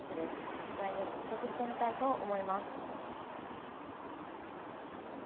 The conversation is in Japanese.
実際に試食してみたいと思います。